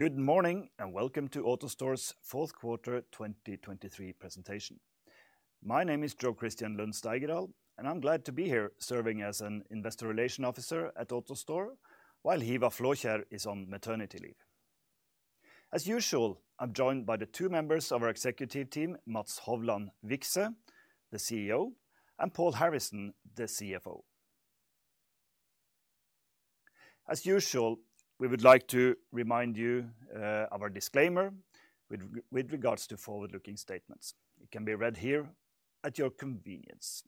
Good morning and welcome to AutoStore's Fourth Quarter 2023 presentation. My name is Jo Christian Lund-Steigedal, and I'm glad to be here serving as an Investor Relations Officer at AutoStore while Hiva Flåskjer is on maternity leave. As usual, I'm joined by the two members of our executive team, Mats Hovland Vikse, the CEO, and Paul Harrison, the CFO. As usual, we would like to remind you of our disclaimer with regards to forward-looking statements. It can be read here at your convenience.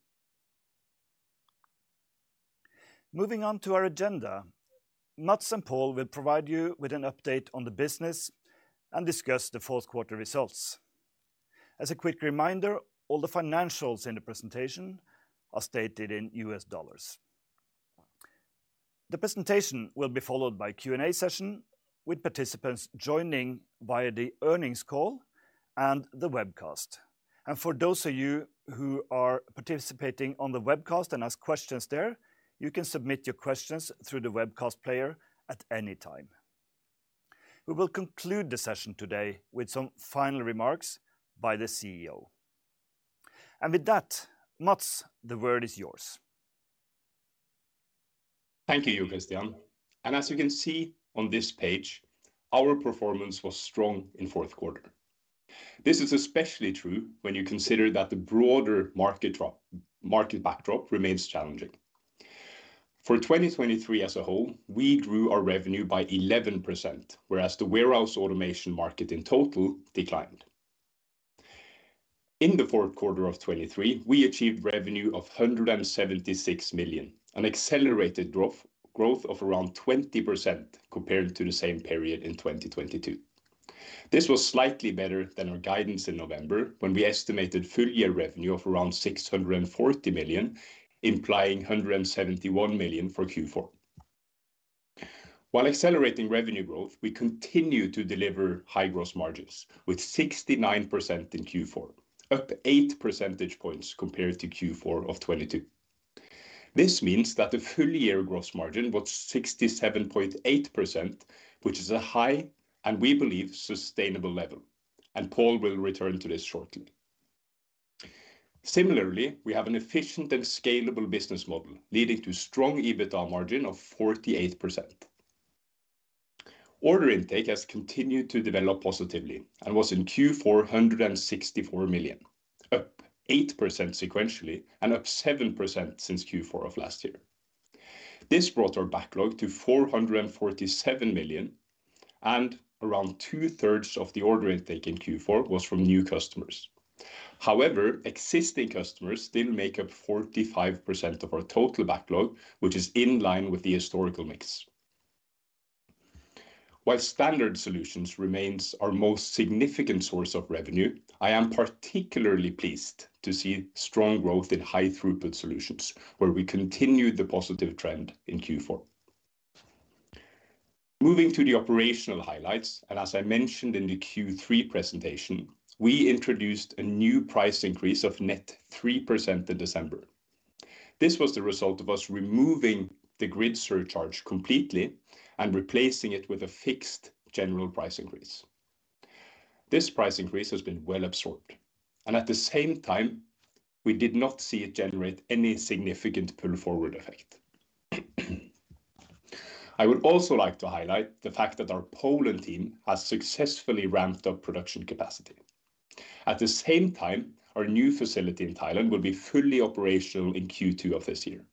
Moving on to our agenda, Mats and Paul will provide you with an update on the business and discuss the fourth quarter results. As a quick reminder, all the financials in the presentation are stated in US dollars. The presentation will be followed by a Q&A session, with participants joining via the earnings call and the webcast. For those of you who are participating on the webcast and ask questions there, you can submit your questions through the webcast player at any time. We will conclude the session today with some final remarks by the CEO. With that, Mats, the word is yours. Thank you, Jo Christian. As you can see on this page, our performance was strong in fourth quarter. This is especially true when you consider that the broader market backdrop remains challenging. For 2023 as a whole, we grew our revenue by 11%, whereas the warehouse automation market in total declined. In the fourth quarter of 2023, we achieved revenue of $176 million, an accelerated growth of around 20% compared to the same period in 2022. This was slightly better than our guidance in November, when we estimated full-year revenue of around $640 million, implying $171 million for Q4. While accelerating revenue growth, we continue to deliver high gross margins, with 69% in Q4, up 8 percentage points compared to Q4 of 2022. This means that the full-year gross margin was 67.8%, which is a high and we believe sustainable level, and Paul will return to this shortly. Similarly, we have an efficient and scalable business model, leading to a strong EBITDA margin of 48%. Order intake has continued to develop positively and was in Q4 $164 million, up 8% sequentially and up 7% since Q4 of last year. This brought our backlog to $447 million, and around two-thirds of the order intake in Q4 was from new customers. However, existing customers still make up 45% of our total backlog, which is in line with the historical mix. While standard solutions remain our most significant source of revenue, I am particularly pleased to see strong growth in high-throughput solutions, where we continue the positive trend in Q4. Moving to the operational highlights, and as I mentioned in the Q3 presentation, we introduced a new price increase of net 3% in December. This was the result of us removing the grid surcharge completely and replacing it with a fixed general price increase. This price increase has been well absorbed, and at the same time, we did not see it generate any significant pull-forward effect. I would also like to highlight the fact that our Poland team has successfully ramped up production capacity. At the same time, our new facility in Thailand will be fully operational in Q2 of this year.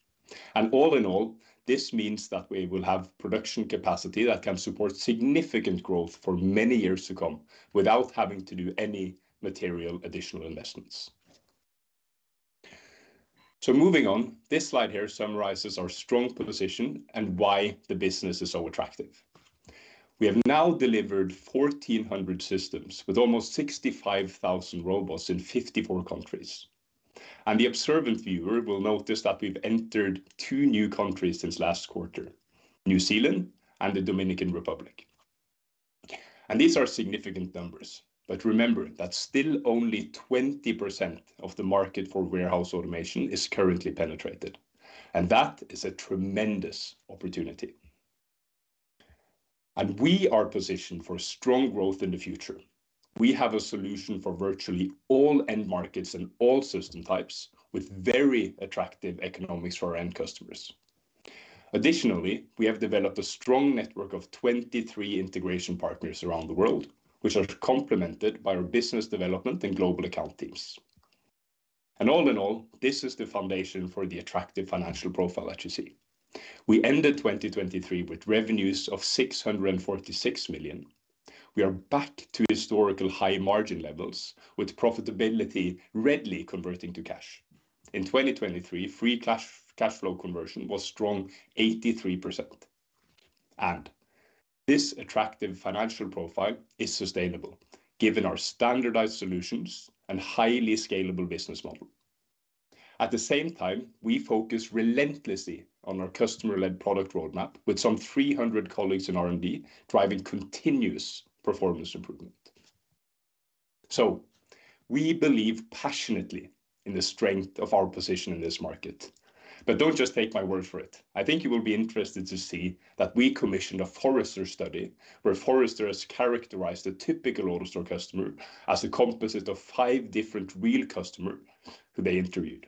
All in all, this means that we will have production capacity that can support significant growth for many years to come without having to do any material additional investments. Moving on, this slide here summarizes our strong position and why the business is so attractive. We have now delivered 1,400 systems with almost 65,000 robots in 54 countries. The observant viewer will notice that we've entered two new countries since last quarter, New Zealand and the Dominican Republic. These are significant numbers, but remember that still only 20% of the market for warehouse automation is currently penetrated, and that is a tremendous opportunity. We are positioned for strong growth in the future. We have a solution for virtually all end markets and all system types, with very attractive economics for our end customers. Additionally, we have developed a strong network of 23 integration partners around the world, which are complemented by our business development and global account teams. All in all, this is the foundation for the attractive financial profile that you see. We ended 2023 with revenues of $646 million. We are back to historical high margin levels, with profitability readily converting to cash. In 2023, free cash flow conversion was strong 83%. This attractive financial profile is sustainable, given our standardized solutions and highly scalable business model. At the same time, we focus relentlessly on our customer-led product roadmap, with some 300 colleagues in R&D driving continuous performance improvement. So we believe passionately in the strength of our position in this market. But don't just take my word for it. I think you will be interested to see that we commissioned a Forrester study, where Forrester has characterized a typical AutoStore customer as a composite of five different real customers who they interviewed.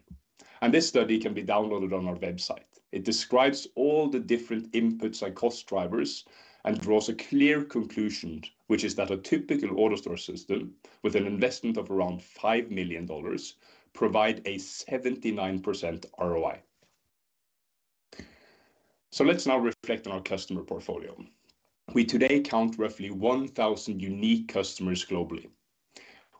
This study can be downloaded on our website. It describes all the different inputs and cost drivers and draws a clear conclusion, which is that a typical AutoStore system with an investment of around $5 million provides a 79% ROI. Let's now reflect on our customer portfolio. We today count roughly 1,000 unique customers globally.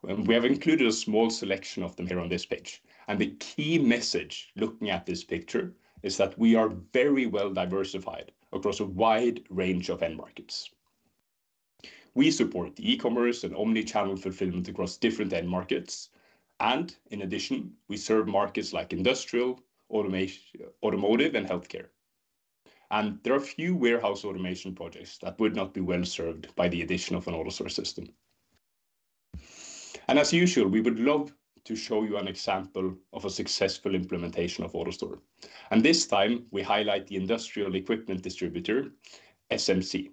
We have included a small selection of them here on this page. The key message looking at this picture is that we are very well diversified across a wide range of end markets. We support e-commerce and omnichannel fulfillment across different end markets. In addition, we serve markets like industrial, automotive, and healthcare. There are a few warehouse automation projects that would not be well served by the addition of an AutoStore system. As usual, we would love to show you an example of a successful implementation of AutoStore. This time, we highlight the industrial equipment distributor, SMC,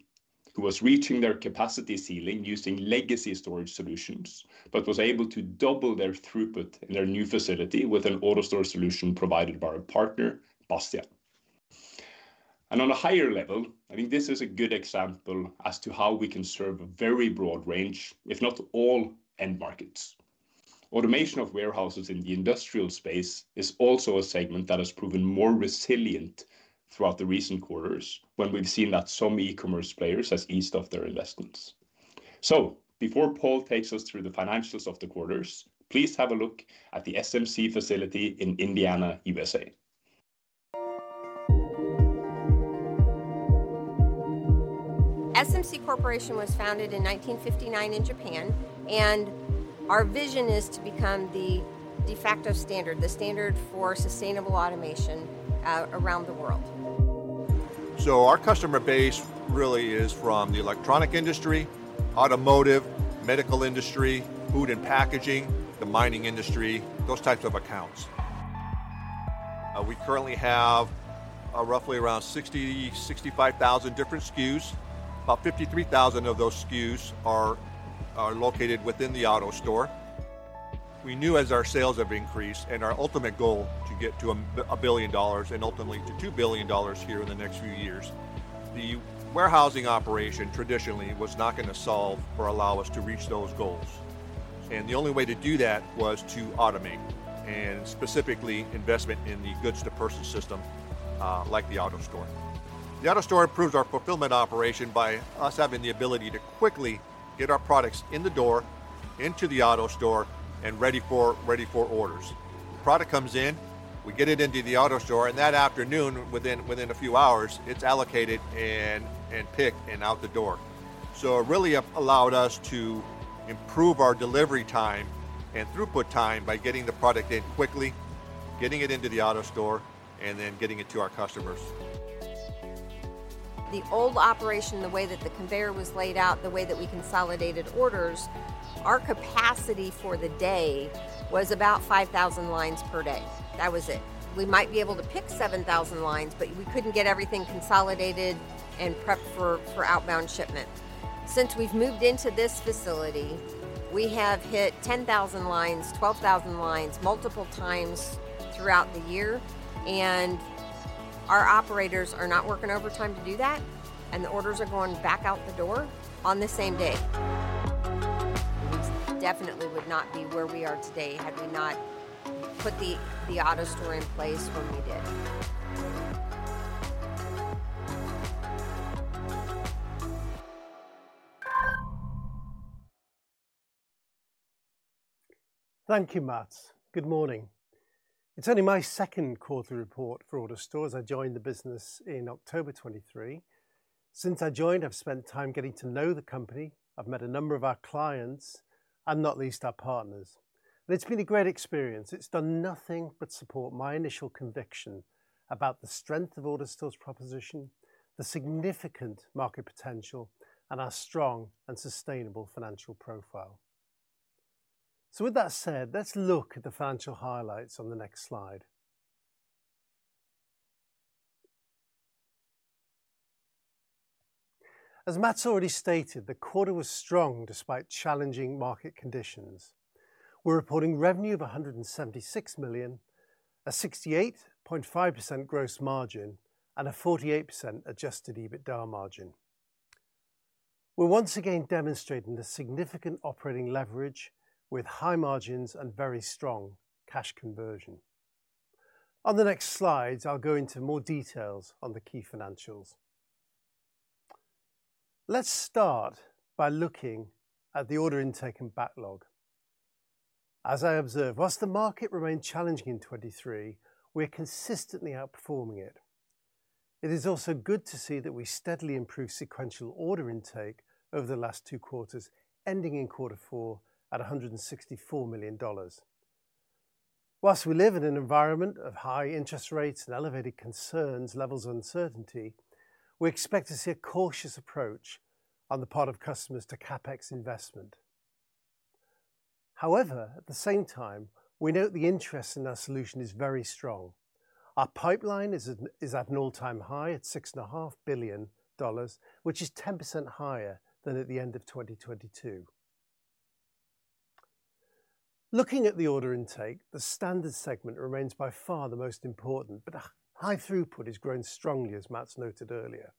who was reaching their capacity ceiling using legacy storage solutions but was able to double their throughput in their new facility with an AutoStore solution provided by our partner, Bastian. On a higher level, I think this is a good example as to how we can serve a very broad range, if not all, end markets. Automation of warehouses in the industrial space is also a segment that has proven more resilient throughout the recent quarters when we've seen that some e-commerce players have eased off their investments. Before Paul takes us through the financials of the quarters, please have a look at the SMC facility in Indiana, USA. SMC Corporation was founded in 1959 in Japan, and our vision is to become the de facto standard, the standard for sustainable automation around the world. So our customer base really is from the electronic industry, automotive, medical industry, food and packaging, the mining industry, those types of accounts. We currently have roughly around 60,000-65,000 different SKUs. About 53,000 of those SKUs are located within the AutoStore. We knew as our sales have increased and our ultimate goal to get to $1 billion and ultimately to $2 billion here in the next few years, the warehousing operation traditionally was not going to solve or allow us to reach those goals. And the only way to do that was to automate, and specifically investment in the Goods-to-Person system like the AutoStore. The AutoStore improves our fulfillment operation by us having the ability to quickly get our products in the door, into the AutoStore, and ready for orders. The product comes in, we get it into the AutoStore, and that afternoon, within a few hours, it's allocated and picked and out the door. So it really allowed us to improve our delivery time and throughput time by getting the product in quickly, getting it into the AutoStore, and then getting it to our customers. The old operation, the way that the conveyor was laid out, the way that we consolidated orders, our capacity for the day was about 5,000 lines per day. That was it. We might be able to pick 7,000 lines, but we couldn't get everything consolidated and prepped for outbound shipment. Since we've moved into this facility, we have hit 10,000 lines, 12,000 lines multiple times throughout the year. And our operators are not working overtime to do that, and the orders are going back out the door on the same day. We definitely would not be where we are today had we not put the AutoStore in place when we did. Thank you, Mats. Good morning. It's only my second quarter report for AutoStore as I joined the business in October 2023. Since I joined, I've spent time getting to know the company. I've met a number of our clients and not least our partners. It's been a great experience. It's done nothing but support my initial conviction about the strength of AutoStore's proposition, the significant market potential, and our strong and sustainable financial profile. So with that said, let's look at the financial highlights on the next slide. As Mats already stated, the quarter was strong despite challenging market conditions. We're reporting revenue of $176 million, a 68.5% gross margin, and a 48% adjusted EBITDA margin. We're once again demonstrating the significant operating leverage with high margins and very strong cash conversion. On the next slides, I'll go into more details on the key financials. Let's start by looking at the order intake and backlog. As I observe, while the market remained challenging in 2023, we are consistently outperforming it. It is also good to see that we steadily improved sequential order intake over the last 2 quarters, ending in quarter four at $164 million. While we live in an environment of high interest rates and elevated concerns levels of uncertainty, we expect to see a cautious approach on the part of customers to CapEx investment. However, at the same time, we note the interest in our solution is very strong. Our pipeline is at an all-time high at $6.5 billion, which is 10% higher than at the end of 2022. Looking at the order intake, the standard segment remains by far the most important, but the high throughput is growing strongly, as Mats noted earlier.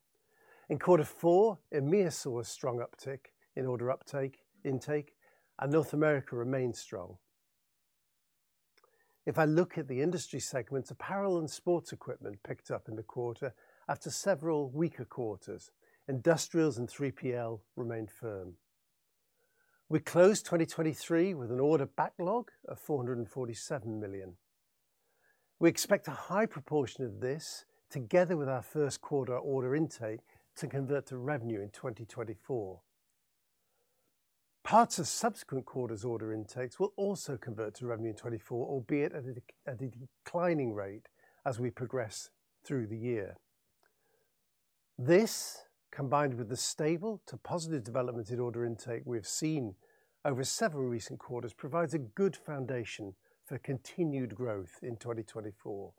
In quarter four, EMEA saw a strong uptick in order intake, and North America remained strong. If I look at the industry segments, apparel and sports equipment picked up in the quarter after several weaker quarters. Industrials and 3PL remained firm. We closed 2023 with an order backlog of $447 million. We expect a high proportion of this, together with our first quarter order intake, to convert to revenue in 2024. Parts of subsequent quarters' order intakes will also convert to revenue in 2024, albeit at a declining rate as we progress through the year. This, combined with the stable to positive development in order intake we have seen over seven recent quarters, provides a good foundation for continued growth in 2024.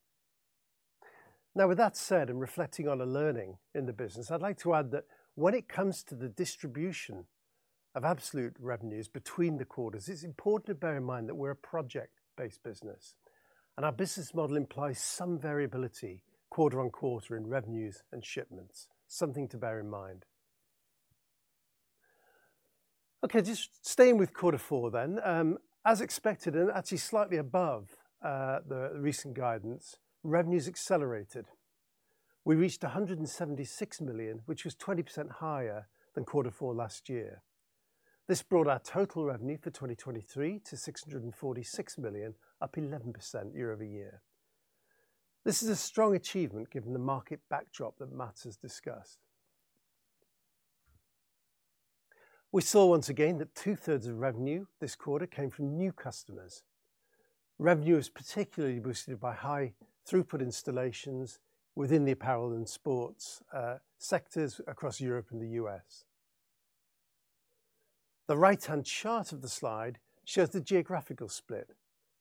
Now, with that said, and reflecting on a learning in the business, I'd like to add that when it comes to the distribution of absolute revenues between the quarters, it's important to bear in mind that we're a project-based business, and our business model implies some variability quarter on quarter in revenues and shipments. Something to bear in mind. Okay, just staying with quarter four then. As expected and actually slightly above the recent guidance, revenues accelerated. We reached $176 million, which was 20% higher than quarter four last year. This brought our total revenue for 2023 to $646 million, up 11% year-over-year. This is a strong achievement given the market backdrop that Mats has discussed. We saw once again that two-thirds of revenue this quarter came from new customers. Revenue was particularly boosted by high throughput installations within the apparel and sports sectors across Europe and the U.S. The right-hand chart of the slide shows the geographical split.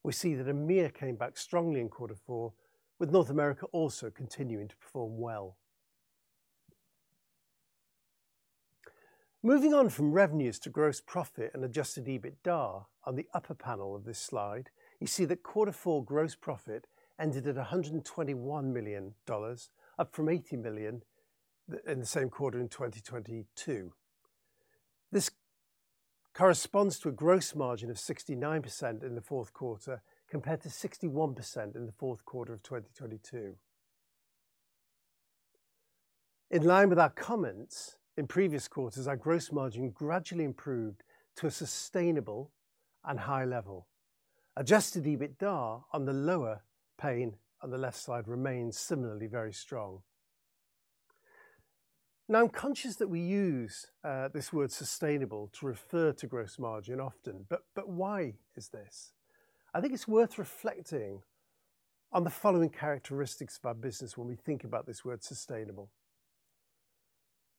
We see that EMEA came back strongly in quarter four, with North America also continuing to perform well. Moving on from revenues to gross profit and adjusted EBITDA, on the upper panel of this slide, you see that quarter four gross profit ended at $121 million, up from $80 million in the same quarter in 2022. This corresponds to a gross margin of 69% in the fourth quarter compared to 61% in the fourth quarter of 2022. In line with our comments in previous quarters, our gross margin gradually improved to a sustainable and high level. Adjusted EBITDA on the lower pane on the left side remains similarly very strong. Now, I'm conscious that we use this word sustainable to refer to gross margin often, but why is this? I think it's worth reflecting on the following characteristics of our business when we think about this word sustainable.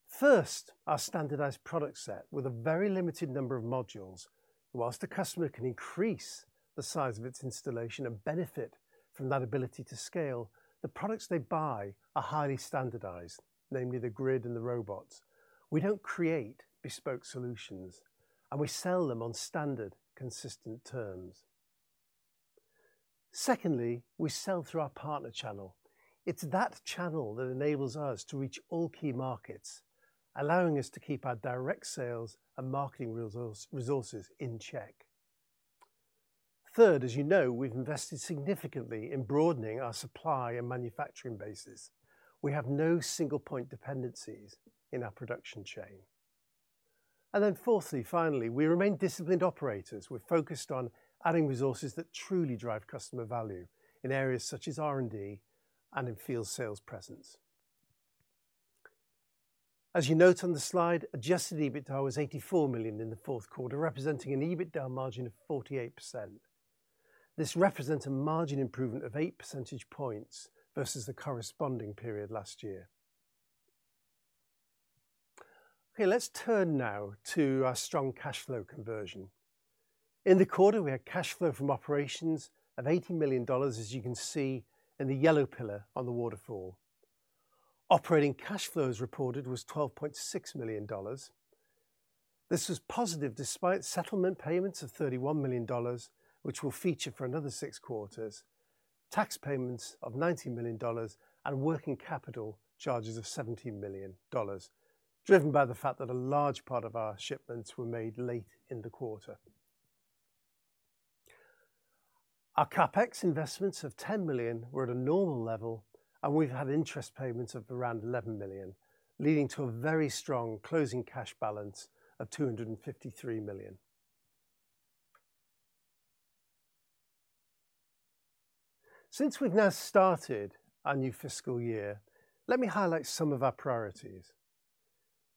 First, our standardized product set with a very limited number of modules. While a customer can increase the size of its installation and benefit from that ability to scale, the products they buy are highly standardized, namely the grid and the robots. We don't create bespoke solutions, and we sell them on standard, consistent terms. Secondly, we sell through our partner channel. It's that channel that enables us to reach all key markets, allowing us to keep our direct sales and marketing resources in check. Third, as you know, we've invested significantly in broadening our supply and manufacturing bases. We have no single-point dependencies in our production chain. And then fourthly, finally, we remain disciplined operators. We're focused on adding resources that truly drive customer value in areas such as R&D and in field sales presence. As you note on the slide, adjusted EBITDA was $84 million in the fourth quarter, representing an EBITDA margin of 48%. This represents a margin improvement of 8 percentage points versus the corresponding period last year. Okay, let's turn now to our strong cash flow conversion. In the quarter, we had cash flow from operations of $80 million, as you can see in the yellow pillar on the waterfall. Operating cash flow is reported was $12.6 million. This was positive despite settlement payments of $31 million, which will feature for another six quarters, tax payments of $90 million, and working capital charges of $17 million, driven by the fact that a large part of our shipments were made late in the quarter. Our CapEx investments of $10 million were at a normal level, and we've had interest payments of around $11 million, leading to a very strong closing cash balance of $253 million. Since we've now started our new fiscal year, let me highlight some of our priorities.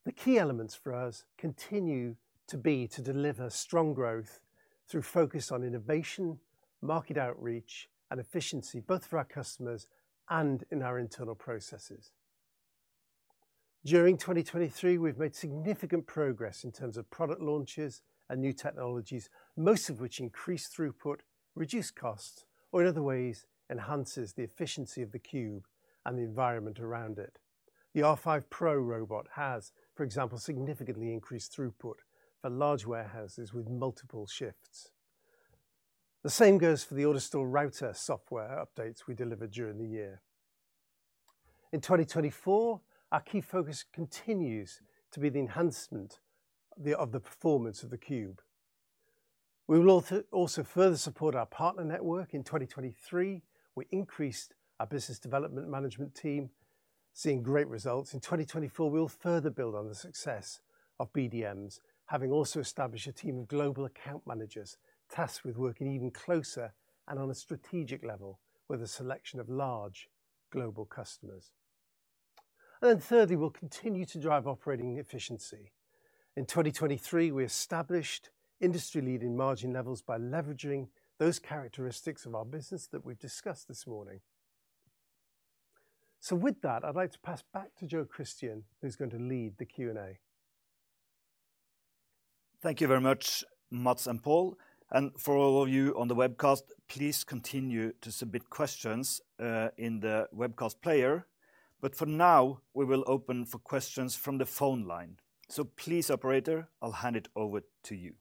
The key elements for us continue to be to deliver strong growth through focus on innovation, market outreach, and efficiency, both for our customers and in our internal processes. During 2023, we've made significant progress in terms of product launches and new technologies, most of which increase throughput, reduce costs, or in other ways, enhances the efficiency of the cube and the environment around it. The R5 Pro robot has, for example, significantly increased throughput for large warehouses with multiple shifts. The same goes for the AutoStore Router software updates we delivered during the year. In 2024, our key focus continues to be the enhancement of the performance of the cube. We will also further support our partner network. In 2023, we increased our business development management team, seeing great results. In 2024, we will further build on the success of BDMs, having also established a team of global account managers tasked with working even closer and on a strategic level with a selection of large global customers. Then thirdly, we'll continue to drive operating efficiency. In 2023, we established industry-leading margin levels by leveraging those characteristics of our business that we've discussed this morning. With that, I'd like to pass back to Jo Christian, who's going to lead the Q&A. Thank you very much, Mats and Paul. For all of you on the webcast, please continue to submit questions in the webcast player. For now, we will open for questions from the phone line. Please, operator, I'll hand it over to you.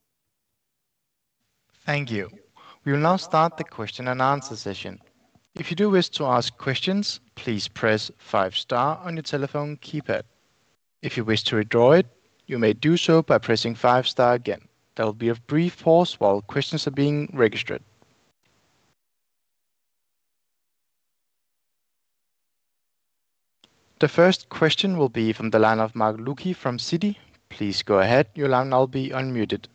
Thank you. We will now start the question and answer session. If you do wish to ask questions, please press five-star on your telephone keypad. If you wish to withdraw it, you may do so by pressing five-star again. There will be a brief pause while questions are being registered. The first question will be from the line of Martin Wilkie from Citi. Please go ahead. Your line will be unmuted.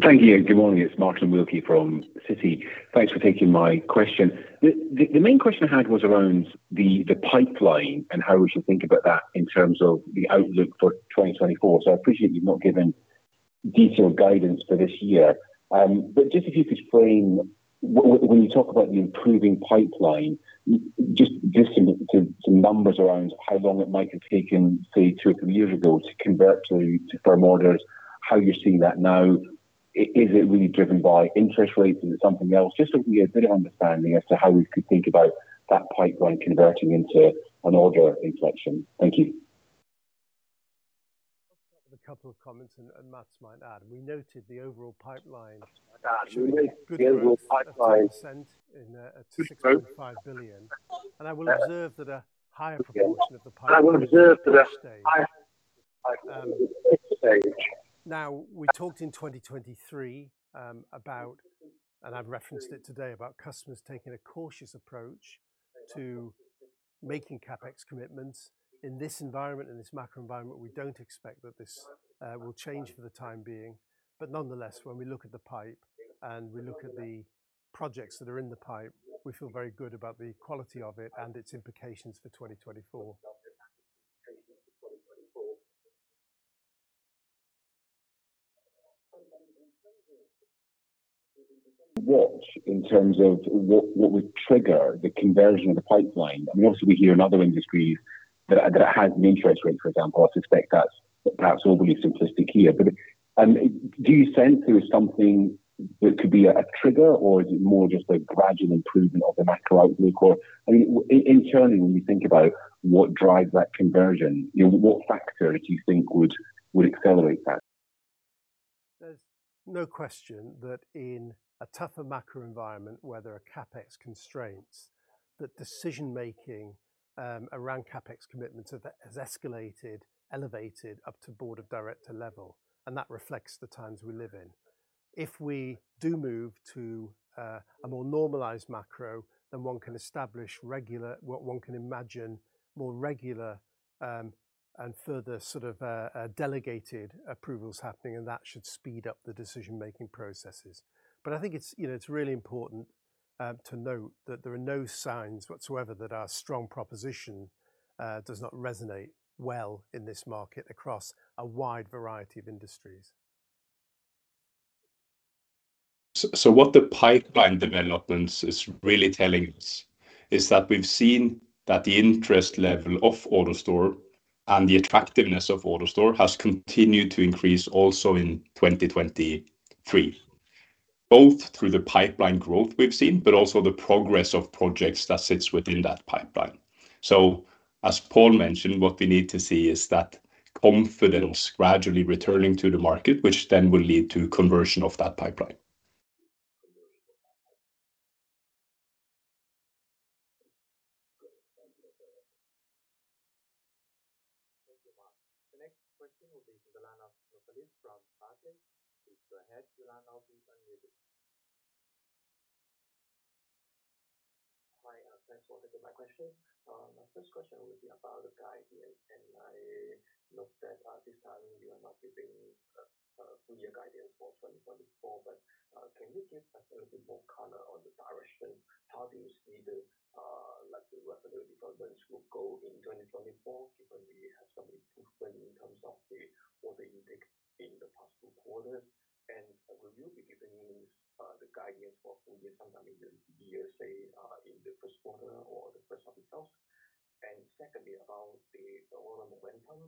Thank you. Good morning. It's Martin Wilkie from Citi. Thanks for taking my question. The main question I had was around the pipeline and how we should think about that in terms of the outlook for 2024. So I appreciate you've not given detailed guidance for this year. But just if you could frame, when you talk about the improving pipeline, just some numbers around how long it might have taken, say, two or three years ago to convert to firm orders, how you're seeing that now. Is it really driven by interest rates? Is it something else? Just so we get a bit of understanding as to how we could think about that pipeline converting into an order inflection. Thank you. I'll start with a couple of comments, and Mats might add. We noted the overall pipeline. Actually, we made good growth. The overall pipeline. Into $6.5 billion. I will observe that a higher proportion of the pipeline. I will observe that a higher proportion of the pipeline. Higher proportion of the pipeline. Now, we talked in 2023 about, and I've referenced it today, about customers taking a cautious approach to making CapEx commitments. In this environment, in this macro environment, we don't expect that this will change for the time being. But nonetheless, when we look at the pipe and we look at the projects that are in the pipe, we feel very good about the quality of it and its implications for 2024. What in terms of what would trigger the conversion of the pipeline? I mean, obviously, we hear in other industries that it's an interest rate, for example. I suspect that's perhaps overly simplistic here. And do you sense there is something that could be a trigger, or is it more just a gradual improvement of the macro outlook? Or I mean, internally, when you think about what drives that conversion, what factor do you think would accelerate that? There's no question that in a tougher macro environment, whether a CapEx constraint, that decision-making around CapEx commitments has escalated, elevated up to board of director level. That reflects the times we live in. If we do move to a more normalized macro, then one can establish regular what one can imagine more regular and further sort of delegated approvals happening, and that should speed up the decision-making processes. I think it's really important to note that there are no signs whatsoever that our strong proposition does not resonate well in this market across a wide variety of industries. So what the pipeline developments is really telling us is that we've seen that the interest level of AutoStore and the attractiveness of AutoStore has continued to increase also in 2023, both through the pipeline growth we've seen, but also the progress of projects that sits within that pipeline. So as Paul mentioned, what we need to see is that confidence gradually returning to the market, which then will lead to conversion of that pipeline. Thank you, Mats. The next question will be from the line of Natalie from Barclays. Please go ahead. Your line will be unmuted. Hi. Thanks for taking my question. My first question would be about the guidance. I noticed that this time you are not giving a full-year guidance for 2024. Can you give us a little bit more color on the direction? How do you see the revenue developments will go in 2024, given we have some improvement in terms of the order intake in the past two quarters? Will you be giving the guidance for a full year sometime in the year, say, in the first quarter or the first half itself? Secondly, about the order momentum.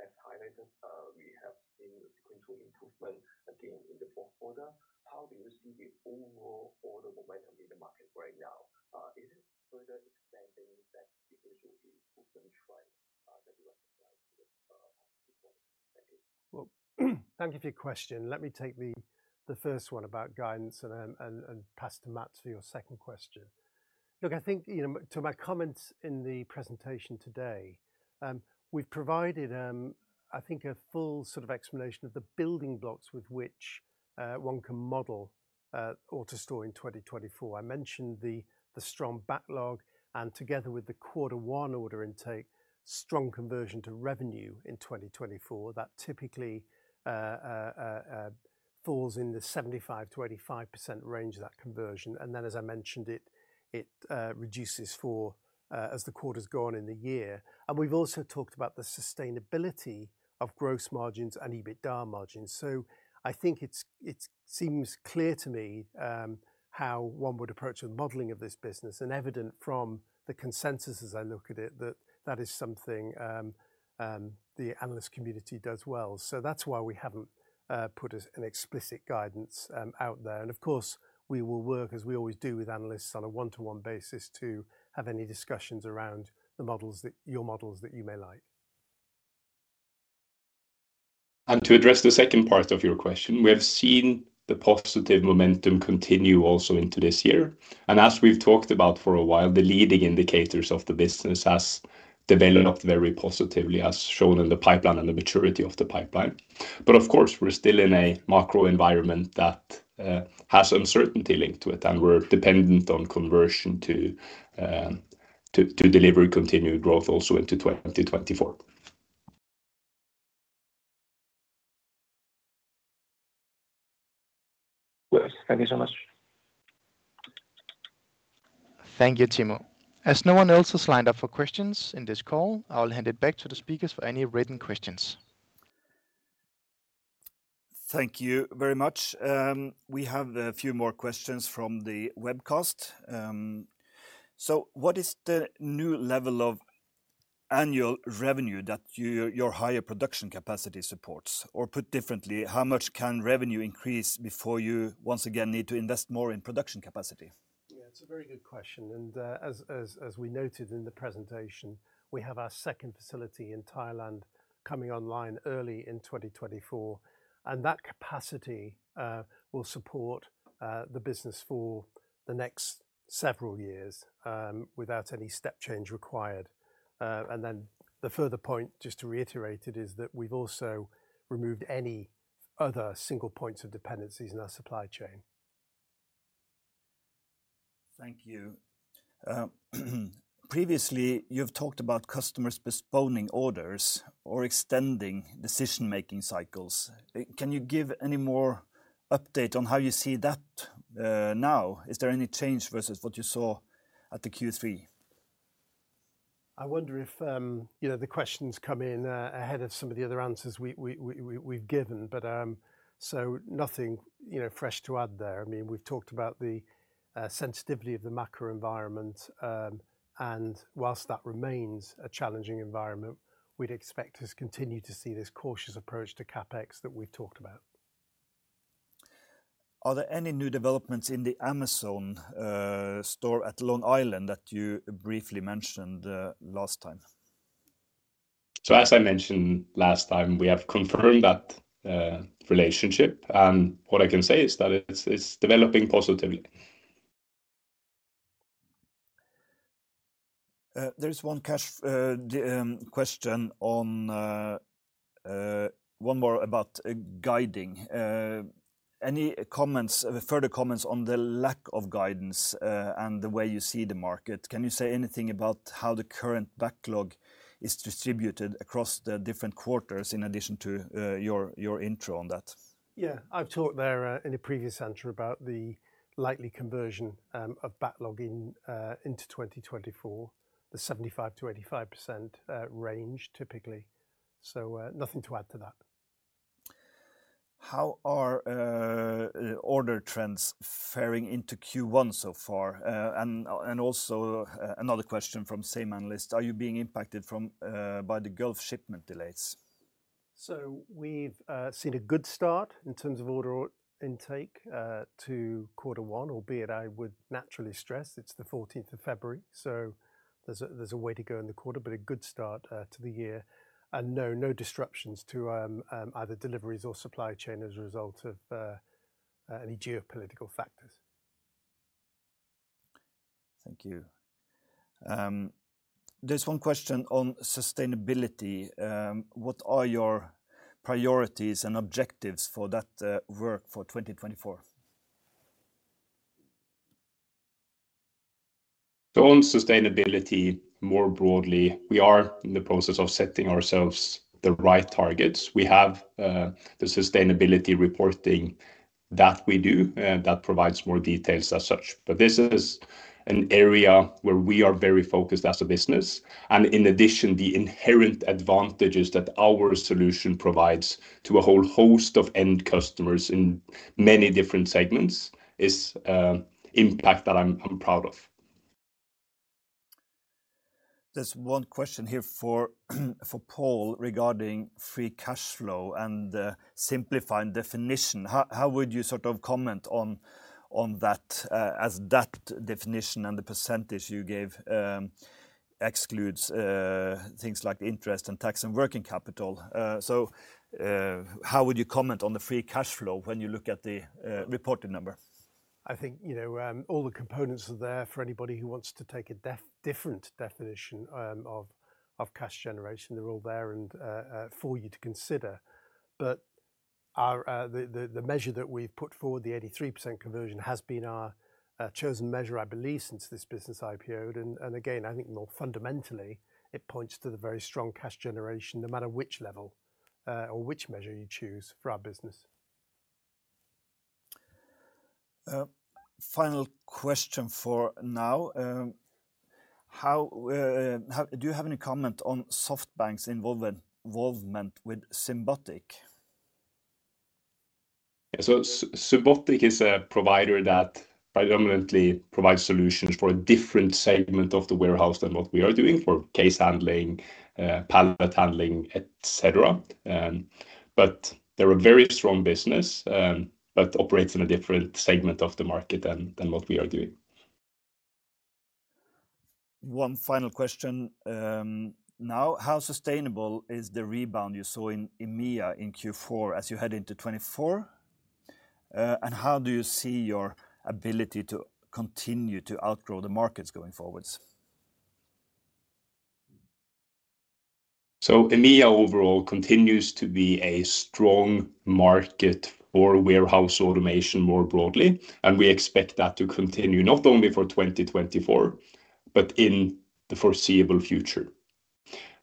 As highlighted, we have seen a sequential improvement, again, in the fourth quarter. How do you see the overall order momentum in the market right now? Is it further expanding that initial improvement trend that you recognize for the past two quarters? Thank you. Well, thank you for your question. Let me take the first one about guidance and pass to Matt for your second question. Look, I think to my comments in the presentation today, we've provided, I think, a full sort of explanation of the building blocks with which one can model AutoStore in 2024. I mentioned the strong backlog and, together with the quarter one order intake, strong conversion to revenue in 2024. That typically falls in the 75%-85% range of that conversion. Then, as I mentioned, it reduces as the quarter's gone in the year. We've also talked about the sustainability of gross margins and EBITDA margins. So I think it seems clear to me how one would approach the modeling of this business. And evident from the consensus, as I look at it, that that is something the analyst community does well. That's why we haven't put an explicit guidance out there. Of course, we will work, as we always do with analysts, on a one-to-one basis to have any discussions around your models that you may like. To address the second part of your question, we have seen the positive momentum continue also into this year. As we've talked about for a while, the leading indicators of the business have developed very positively, as shown in the pipeline and the maturity of the pipeline. Of course, we're still in a macro environment that has uncertainty linked to it, and we're dependent on conversion to deliver continued growth also into 2024. Good. Thank you so much. Thank you, Timo. As no one else has lined up for questions in this call, I will hand it back to the speakers for any written questions. Thank you very much. We have a few more questions from the webcast. So what is the new level of annual revenue that your higher production capacity supports? Or put differently, how much can revenue increase before you once again need to invest more in production capacity? Yeah, it's a very good question. As we noted in the presentation, we have our second facility in Thailand coming online early in 2024. That capacity will support the business for the next several years without any step change required. Then the further point, just to reiterate it, is that we've also removed any other single points of dependencies in our supply chain. Thank you. Previously, you've talked about customers postponing orders or extending decision-making cycles. Can you give any more update on how you see that now? Is there any change versus what you saw at the Q3? I wonder if the questions come in ahead of some of the other answers we've given. Nothing fresh to add there. I mean, we've talked about the sensitivity of the macro environment. While that remains a challenging environment, we'd expect us to continue to see this cautious approach to CapEx that we've talked about. Are there any new developments in the Amazon store at Long Island that you briefly mentioned last time? As I mentioned last time, we have confirmed that relationship. What I can say is that it's developing positively. There's one last question, one more about guiding. Any further comments on the lack of guidance and the way you see the market? Can you say anything about how the current backlog is distributed across the different quarters in addition to your intro on that? Yeah. I've talked there in a previous answer about the likely conversion of backlog into 2024, the 75%-85% range typically. So nothing to add to that. How are order trends faring into Q1 so far? Also another question from same analyst. Are you being impacted by the Gulf shipment delays? So we've seen a good start in terms of order intake to quarter one. Albeit I would naturally stress it's the 14th of February. So there's a way to go in the quarter, but a good start to the year. And no, no disruptions to either deliveries or supply chain as a result of any geopolitical factors. Thank you. There's one question on sustainability. What are your priorities and objectives for that work for 2024? On sustainability more broadly, we are in the process of setting ourselves the right targets. We have the sustainability reporting that we do that provides more details as such. This is an area where we are very focused as a business. In addition, the inherent advantages that our solution provides to a whole host of end customers in many different segments is an impact that I'm proud of. There's one question here for Paul regarding free cash flow and simplifying definition. How would you sort of comment on that as that definition and the percentage you gave excludes things like interest and tax and working capital? So how would you comment on the free cash flow when you look at the reporting number? I think all the components are there for anybody who wants to take a different definition of cash generation. They're all there for you to consider. But the measure that we've put forward, the 83% conversion, has been our chosen measure, I believe, since this business IPOed. Again, I think more fundamentally, it points to the very strong cash generation no matter which level or which measure you choose for our business. Final question for now. Do you have any comment on SoftBank's involvement with Symbotic? Yeah. So Symbotic is a provider that predominantly provides solutions for a different segment of the warehouse than what we are doing for case handling, pallet handling, etc. But they're a very strong business but operate in a different segment of the market than what we are doing. One final question now. How sustainable is the rebound you saw in EMEA in Q4 as you head into 2024? And how do you see your ability to continue to outgrow the markets going forward? EMEA overall continues to be a strong market for warehouse automation more broadly. We expect that to continue not only for 2024 but in the foreseeable future.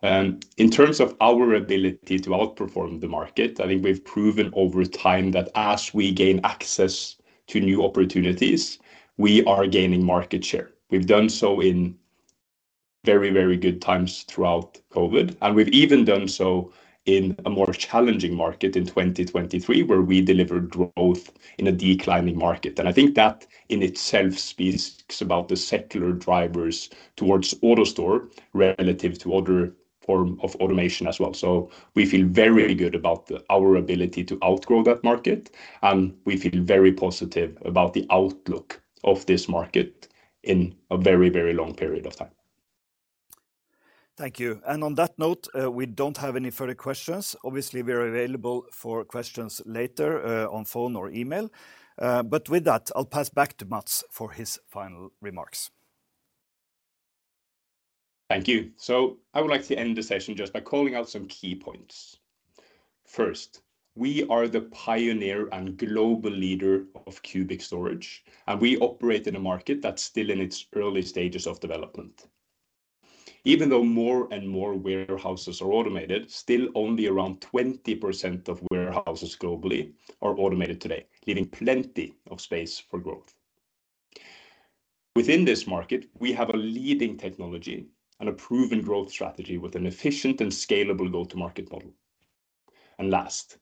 In terms of our ability to outperform the market, I think we've proven over time that as we gain access to new opportunities, we are gaining market share. We've done so in very, very good times throughout COVID. We've even done so in a more challenging market in 2023 where we delivered growth in a declining market. I think that in itself speaks about the secular drivers towards AutoStore relative to other forms of automation as well. We feel very good about our ability to outgrow that market. We feel very positive about the outlook of this market in a very, very long period of time. Thank you. On that note, we don't have any further questions. Obviously, we are available for questions later on phone or email. With that, I'll pass back to Mats for his final remarks. Thank you. So I would like to end the session just by calling out some key points. First, we are the pioneer and global leader of Cube Storage. We operate in a market that's still in its early stages of development. Even though more and more warehouses are automated, still only around 20% of warehouses globally are automated today, leaving plenty of space for growth. Within this market, we have a leading technology and a proven growth strategy with an efficient and scalable go-to-market model. Last,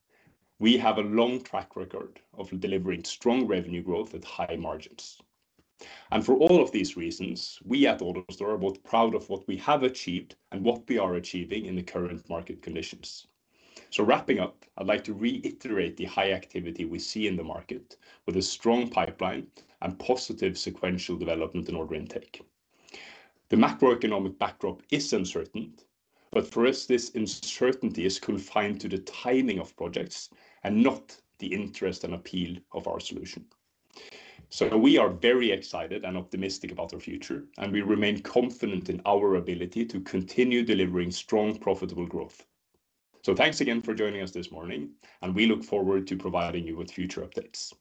we have a long track record of delivering strong revenue growth at high margins. For all of these reasons, we at AutoStore are both proud of what we have achieved and what we are achieving in the current market conditions. Wrapping up, I'd like to reiterate the high activity we see in the market with a strong pipeline and positive sequential development in order intake. The macroeconomic backdrop is uncertain. But for us, this uncertainty is confined to the timing of projects and not the interest and appeal of our solution. So we are very excited and optimistic about our future. We remain confident in our ability to continue delivering strong, profitable growth. Thanks again for joining us this morning. We look forward to providing you with future updates.